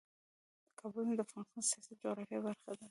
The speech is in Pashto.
د کابل سیند د افغانستان د سیاسي جغرافیه برخه ده.